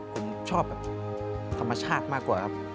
ผมชอบแบบธรรมชาติมากกว่าครับ